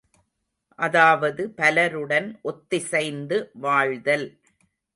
அதாவது பலருடன் ஒத்திசைந்து வாழ்தல்.